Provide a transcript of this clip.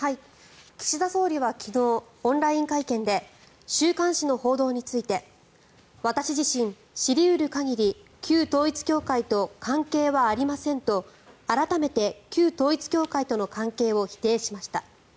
岸田総理は昨日オンライン会見で週刊誌の報道について私自身、知り得る限り旧統一教会と関係はありませんと改めて旧統一教会との関係を否定しました。